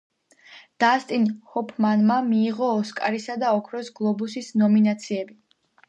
დასტინ ჰოფმანმა მიიღო ოსკარისა და ოქროს გლობუსის ნომინაციები.